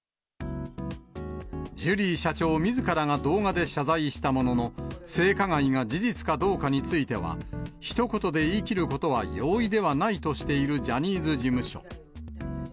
ジュリー社長みずからが動画で謝罪したものの、性加害が事実かどうかについては、ひと言で言い切ることは容易ではないとしているジャニーズ事務所。